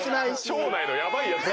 町内のヤバいやつ。